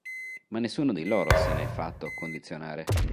Ma nessuno di loro se ne è fatto condizionare".